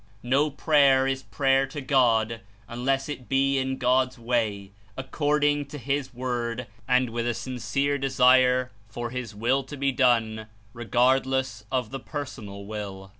No prayer Is prayer to God unless It be In God's way, according to his Word, and with a sincere desire for his Will to be done regardless of the personal will.